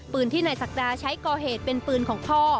ปืนที่นายศักดาใช้ก่อเหตุเป็นปืนของพ่อ